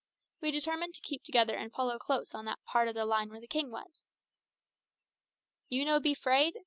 We determined to keep together and follow close on that part of the line where the king was. "You no be 'fraid?"